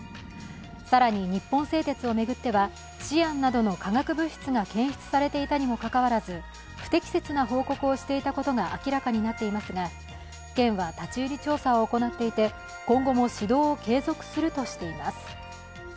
更に、日本製鉄を巡っては、シアンなどの化学物質が検出されていたにもかかわらず、不適切な報告をしていたことが明らかになっていますが県は立入調査を行っていて今後も指導を継続するとしています。